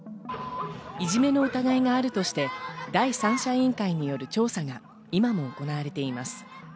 いじめの疑いがあるとして、第三者委員会による調査が今も行われています。